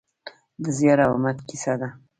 د زیار او همت کیسه ده.